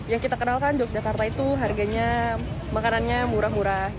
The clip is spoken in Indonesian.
yang kita kenalkan yogyakarta itu harganya makanannya murah murah